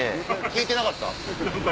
聞いてなかった？